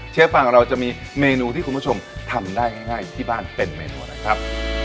ฟังเราจะมีเมนูที่คุณผู้ชมทำได้ง่ายที่บ้านเป็นเมนูอะไรครับ